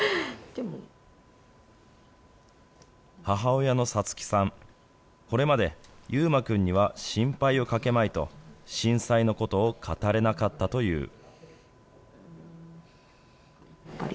母親のさつきさん、これまで、佑馬君には心配をかけまいと、震災のことを語れなかったという。